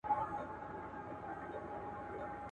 ورځ تیاره سوه توري وریځي سوې څرګندي.